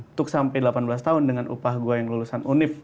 untuk sampai delapan belas tahun dengan upah gue yang lulusan unif